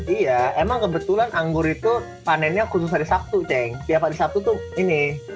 iya emang kebetulan anggur itu panennya khusus hari sabtu ceng tiap hari sabtu tuh ini